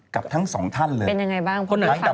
กับทั้งสองท่านเลย